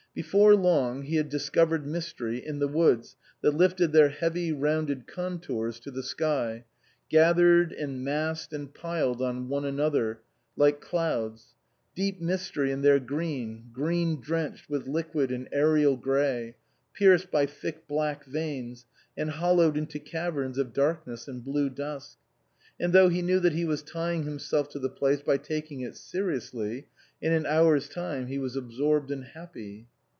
Before long he had dis covered mystery in the woods that lifted their heavy rounded contours to the sky, gathered and massed and piled on one another like clouds ; deep mystery in their green, green drenched with liquid and aerial grey, pierced by thick black veins and hollowed into caverns of dark ness and blue dusk. And though he knew that he was tying himself to the place by taking it seriously, in an hour's time he was absorbed and happy.